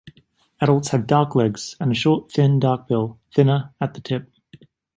Adults have dark legs and a short, thin, dark bill, thinner at the tip.